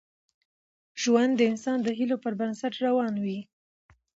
ژوند د انسان د هیلو پر بنسټ روان وي.